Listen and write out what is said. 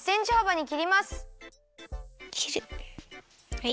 はい。